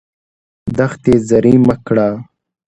دښتې زرعي مه کړه.